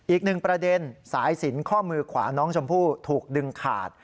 อีกหนึ่งประเด็นสายสินข้อมือขวาน้องชมพู่ถูกดึงขาด